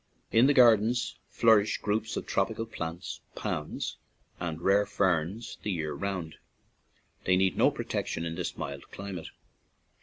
In the gardens nourish groups of tropical plants, palms, and rare ferns the year round; they need no protection in this mild climate.